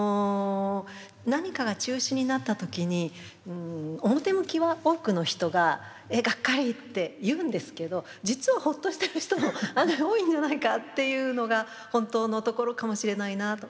何かが中止になった時に表向きは多くの人が「えがっかり」って言うんですけど実はほっとしてる人も案外多いんじゃないかっていうのが本当のところかもしれないなと。